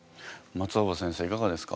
松尾葉先生いかがですか？